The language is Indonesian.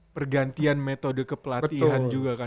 pergantian metode kepelatihan juga kan